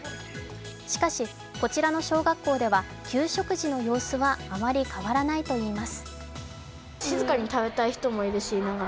しかし、こちらの小学校では給食時の様子はあまり変わらないといいます。